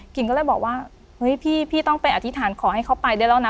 ก็เลยบอกว่าเฮ้ยพี่ต้องไปอธิษฐานขอให้เขาไปได้แล้วนะ